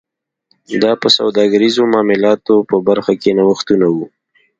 دا په سوداګریزو معاملاتو په برخه کې نوښتونه و